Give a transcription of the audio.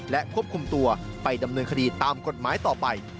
และควบคุมตัวไปดำเนินคดีตามกฎหมายต่อไป